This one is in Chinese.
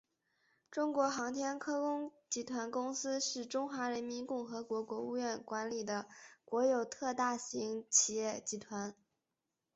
中国航天科工集团公司是中华人民共和国国务院管理的国有特大型企业集团。